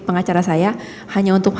pengacara saya hanya untuk